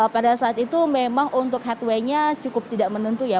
pada saat itu memang untuk headway nya cukup tidak menentu ya